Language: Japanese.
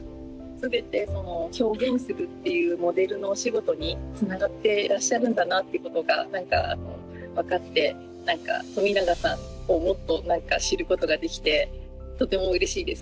全てその表現するっていうモデルのお仕事につながっていらっしゃるんだなっていうことが何か分かって冨永さんをもっと知ることができてとてもうれしいです。